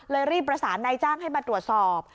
รีบประสานนายจ้างให้มาตรวจสอบ